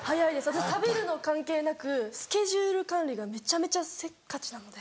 私食べるの関係なくスケジュール管理がめちゃめちゃせっかちなので。